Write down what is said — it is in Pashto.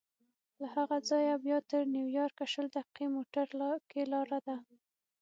له هغه ځایه بیا تر نیویارکه شل دقیقې موټر کې لاره ده.